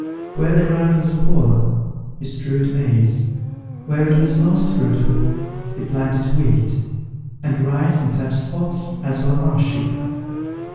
Where the ground was poor, he strewed maize; where it was most fruitful, he planted wheat; and rice in such spots as were marshy.